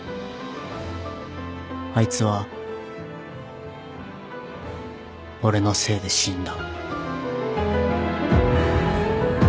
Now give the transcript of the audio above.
あいつは俺のせいで死んだ。